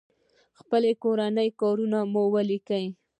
خپل کورني کارونه مو وليکئ!